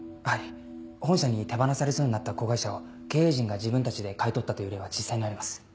はい本社に手放されそうになった子会社を経営陣が自分たちで買い取ったという例は実際にあります。